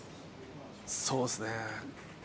そうっすね